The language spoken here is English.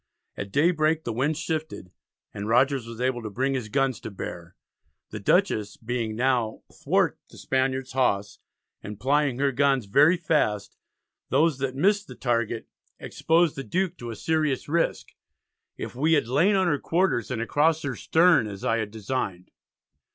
At daybreak the wind shifted, and Rogers was able to bring his guns to bear. The Dutchess being now "thwart the Spaniards hawse," and plying her guns very fast, those that missed their target, exposed the Duke to a serious risk "if we had lain on her quarters and across her stem, as I had designed."